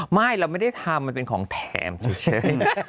ไม่เราไม่ได้ทำมันเป็นของแถมเฉย